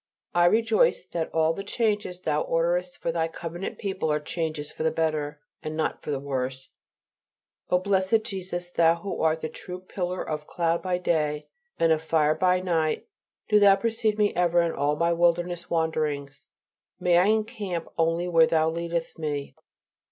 I rejoice that all the changes Thou orderest for Thy covenant people are changes for the better, and not for the worse. O blessed Jesus! Thou who art the true pillar of cloud by day, and of fire by night, do Thou precede me ever in all my wilderness wanderings. May I encamp only where Thou leadest me.